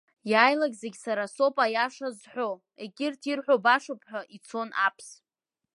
Иааилак зегьы сара соуп аиаша зҳәо, егьырҭ ирҳәо башоуп ҳәа ицон Аԥс.